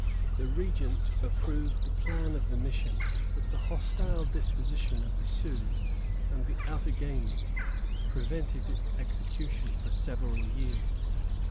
1723.] The Regent approved the plan of the mission; but the hostile disposition of the Sioux and the Outagamies prevented its execution for several years.